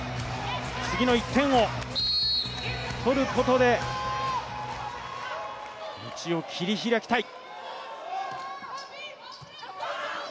次の１点を取ることで道を切り開きたい。